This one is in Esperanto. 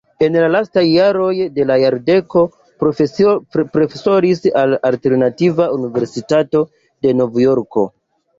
En la lastaj jaroj de la jardeko profesoris en la Alternativa Universitato de Novjorko.